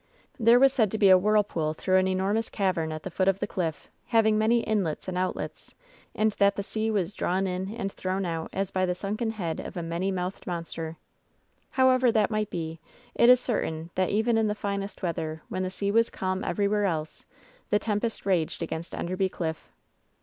There was said to be a whirlpool through an enormous cavern at the foot of the cliff, hav ing many inlets and outlets, and that the sea was drawn in and tJirown ont as by the sunken head of a mmaj' LOVE'S BITTEREST CUP 249 mouthed monster. However that might be, it is certain that even in the finest weather, when the sea was calm everywhere else, the tempest raged against Enderby Cliff.